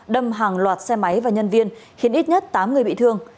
đâm hàng loạt xe máy và nhân viên khiến ít nhất tám người bị thương